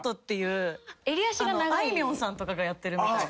あいみょんさんとかがやってるみたいな髪形。